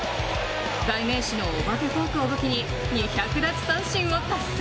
代名詞のお化けフォークを武器に２００奪三振を達成。